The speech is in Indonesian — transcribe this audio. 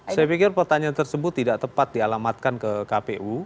saya pikir pertanyaan tersebut tidak tepat dialamatkan ke kpu